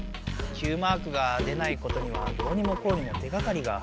Ｑマークが出ないことにはどうにもこうにも手がかりが。